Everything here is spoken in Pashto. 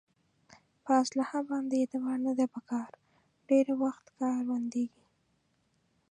په اصلحه باندې اعتبار نه دی په کار ډېری وخت کار بندېږي.